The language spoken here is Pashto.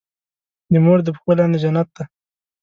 د مور د پښو لاندې جنت دی.